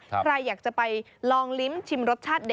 ใครอยากจะไปลองลิ้มชิมรสชาติเด็